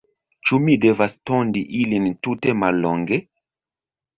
Ĉu mi devas tondi ilin tute mallonge?